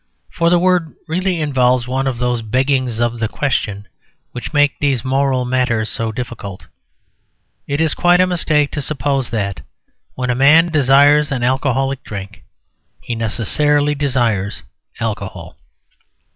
For the word really involves one of those beggings of the question which make these moral matters so difficult. It is quite a mistake to suppose that, when a man desires an alcoholic drink, he necessarily desires alcohol.